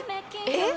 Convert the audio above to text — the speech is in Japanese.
えっ？